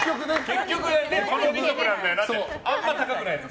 結局この２足なんだよなってあんま高くないやつ。